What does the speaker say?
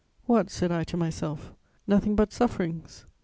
"'What!' said I to myself. 'Nothing but sufferings!'